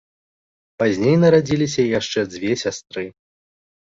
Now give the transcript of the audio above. Пазней нарадзіліся яшчэ дзве сястры.